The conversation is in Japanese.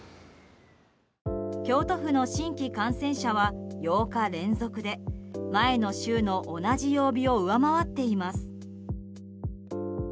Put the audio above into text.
京都府の新規感染者は８日連続で前の週の同じ曜日を上回っています。